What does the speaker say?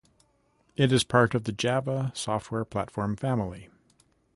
It is part of the Java software platform family.